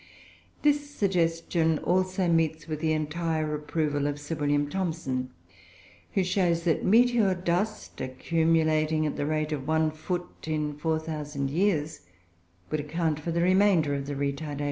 This suggestion also meets with the entire approval of Sir W. Thomson, who shows that meteor dust, accumulating at the rate of one foot in 4,000 years, would account for the remainder of retardation.